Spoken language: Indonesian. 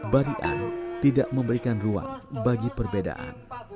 barian tidak memberikan ruang bagi perbedaan